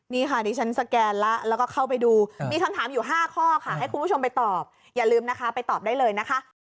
นี่ค่ะดิฉันสแกนแล้วแล้วก็เข้าไปดูมีคำถามอยู่๕ข้อค่ะให้คุณผู้ชมไปตอบอย่าลืมนะคะไปตอบได้เลยนะคะ